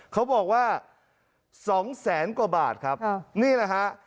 เขาบอกว่า๒แสนกว่าบาทครับนี่แหละฮะ